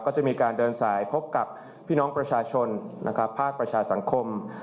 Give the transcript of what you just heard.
ก็จะมีการเดินสายพบกับพี่น้องประชาชนนะครับภาคประชาสังคม